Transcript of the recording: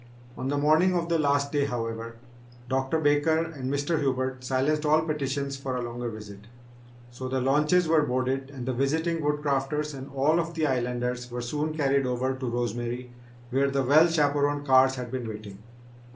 On the morning of the last day, however, Dr. Baker and Mr. Hubert silenced all petitions for a longer visit. So, the launches were boarded and the visiting Woodcrafters and all of the Islanders were soon carried over to Rosemary where the well chaperoned cars had been waiting.